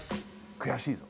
悔しいぞ。